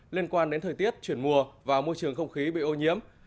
liên quan đến thời tiết chuyển mùa và môi trường không khí bị ô nhiễm